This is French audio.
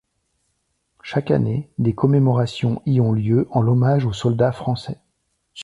Chaque année des commémorations y ont lieu en l'hommage aux soldats Français.